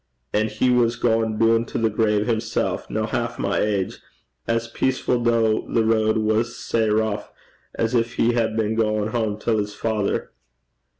An' he was gaein' doon to the grave himsel', no half my age, as peacefu', though the road was sae rouch, as gin he had been gaein' hame till 's father.'